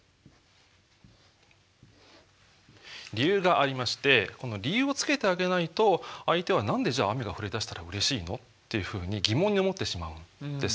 理由がありましてこの理由をつけてあげないと相手は「何でじゃあ雨が降り出したらうれしいの？」っていうふうに疑問に思ってしまうんですよね。